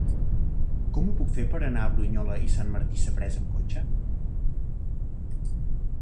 Com ho puc fer per anar a Brunyola i Sant Martí Sapresa amb cotxe?